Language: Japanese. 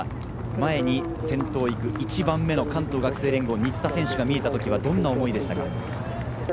前に先頭１区、１番目の関東学生連合・新田選手が見えた時、どんな思いでしたか？